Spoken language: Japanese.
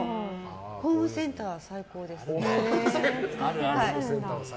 ホームセンター、最高です。